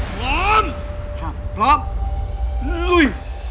พร้อมถ้าพร้อมลุย